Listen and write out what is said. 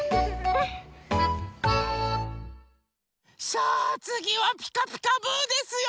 さあつぎは「ピカピカブ！」ですよ。